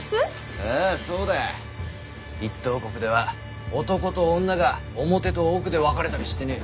あぁそうだ。一等国では男と女が表と奥で分かれたりしてねぇ。